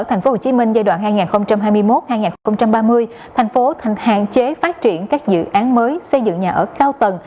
tp hcm giai đoạn hai nghìn hai mươi một hai nghìn ba mươi thành phố hạn chế phát triển các dự án mới xây dựng nhà ở cao tầng